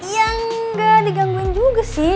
yang nggak digangguin juga sih